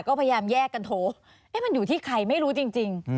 ก็พยายามแยกกันโทรมันอยู่ที่ใครไม่รู้จริง